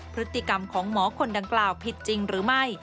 พฤติกรรมของหมอคนดังกล่าวผิดจริงหรือไม่